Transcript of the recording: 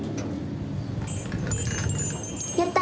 やった！